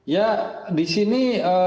ya di sini